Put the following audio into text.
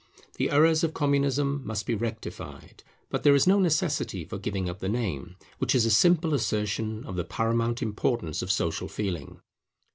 The errors of Communism must be rectified; but there is no necessity for giving up the name, which is a simple assertion of the paramount importance of Social Feeling.